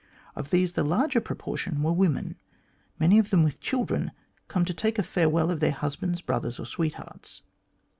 Of these the larger proportion were w T omen, many of them with children, come to take a farewell of husbands, brothers, or sweethearts.